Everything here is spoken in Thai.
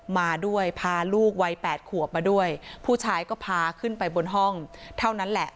มาด้วยพาลูกวัยแปดขวบมาด้วยผู้ชายก็พาขึ้นไปบนห้องเท่านั้นแหละ